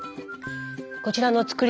こちらの造り